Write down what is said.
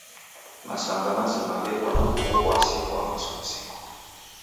Masanga mazima gheko na ugho w'asi ghwa msughusiko.